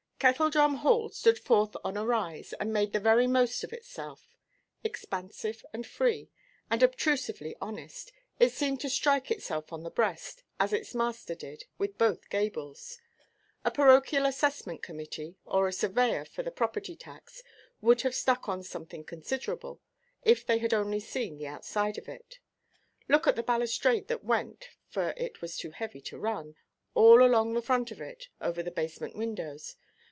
Kettledrum Hall stood forth on a rise, and made the very most of itself. Expansive, and free, and obtrusively honest, it seemed to strike itself on the breast (as its master did) with both gables. A parochial assessment committee, or a surveyor for the property–tax, would have stuck on something considerable, if they had only seen the outside of it. Look at the balustrade that went (for it was too heavy to run) all along the front of it, over the basement windows.